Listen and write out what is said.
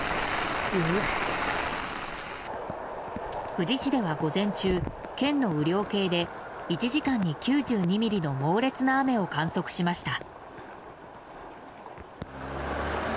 富士市では午前中、県の雨量計で１時間に９２ミリの猛烈な雨を観測しました。